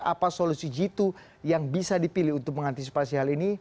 apa solusi jitu yang bisa dipilih untuk mengantisipasi hal ini